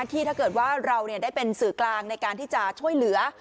ถ้าเกิดว่าเราได้เป็นสื่อกลางในการที่จะช่วยเหลือ